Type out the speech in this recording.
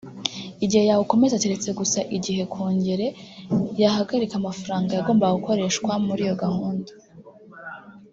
igihe yawukomeza keretse gusa igihe kongere yahagarika amafaranga yagombaga gukoreshwa muri iyo gahunda